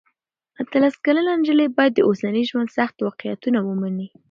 اتلس کلنه نجلۍ باید د اوسني ژوند سخت واقعیتونه ومني.